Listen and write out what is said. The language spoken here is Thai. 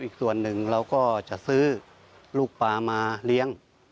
อีกส่วนหนึ่งเราก็จะซื้อลูกปลามาเลี้ยง